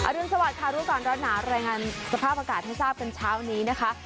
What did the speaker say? รุนสวัสดิ์รู้ก่อนร้อนหนาวรายงานสภาพอากาศให้ทราบกันเช้านี้นะคะ